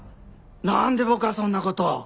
なんで僕がそんな事を？